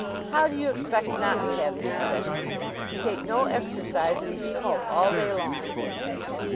"How do you expect not to have indigestion? You take no exercise and you smoke all day long."